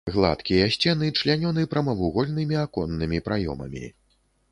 Гладкія сцены члянёны прамавугольнымі аконнымі праёмамі.